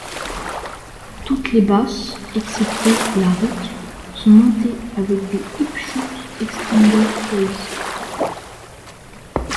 Toutes les basses, excepté la Ric, sont montées avec des Hipshot Extender Keys.